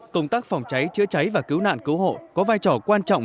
công tác phòng cháy chữa cháy và cứu nạn cứu hộ có vai trò quan trọng